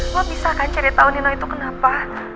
lo bisa kan ceritau nino itu kenapa